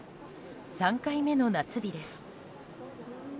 ３回目の夏日です。